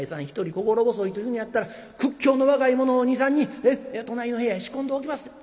一人心細いというのやったら屈強の若い者を２３人隣の部屋へ仕込んでおきます。